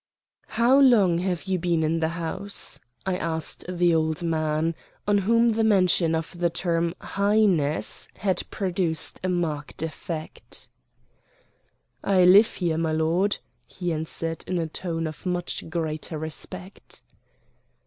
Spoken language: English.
"How long have you been in the house?" I asked the old man, on whom the mention of the term "highness" had produced a marked effect. "I live here, my lord," he answered in a tone of much greater respect.